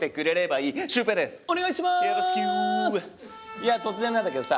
いや突然なんだけどさ。